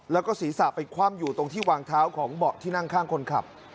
แล้วก็ศีรษะไปคว่ำอยู่ตรงที่วางเท้าของเบาะที่นั่งข้างคนขับ